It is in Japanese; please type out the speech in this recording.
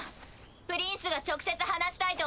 プリンスが直接話したいと。